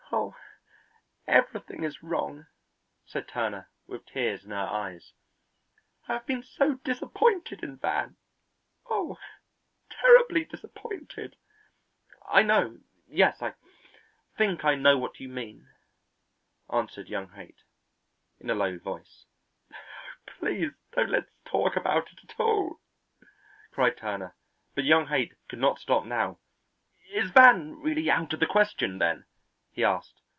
"Oh, everything is wrong," said Turner, with tears in her eyes. "I have been so disappointed in Van; oh, terribly disappointed." "I know; yes, I think I know what you mean," answered young Haight in a low voice. "Oh, please don't let's talk about it at all," cried Turner. But young Haight could not stop now. "Is Van really out of the question, then?" he asked.